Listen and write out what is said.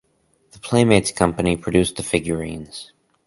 The Playmates company produced the figurines.